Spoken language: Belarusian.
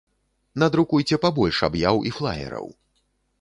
Надрукуйце пабольш аб'яў і флаераў.